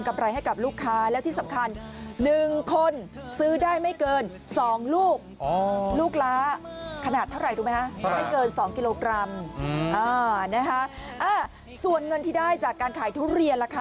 ไม่เกิน๒กิโลกรัมส่วนเงินที่ได้จากการขายทุเรียนล่ะค่ะ